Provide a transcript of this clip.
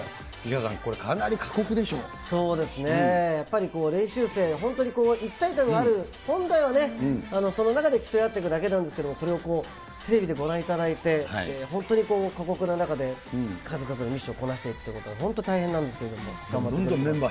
西川さん、これかなり過酷でしょそうですね、やっぱり練習生、本当に一体感がある、本来はね、その中で競い合っていくだけなんですけど、テレビでご覧いただいて、本当に過酷な中で、数々のミッションをこなしていくということは、本当に大変なんですけど頑張ってます。